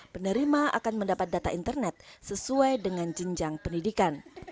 penerima akan mendapat data internet sesuai dengan jenjang pendidikan